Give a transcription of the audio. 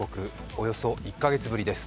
およそ１か月ぶりです。